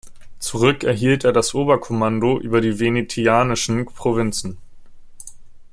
Zurück erhielt er das Oberkommando über die venetianischen Provinzen.